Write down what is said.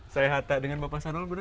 saya hatta dengan bapak syahrul benar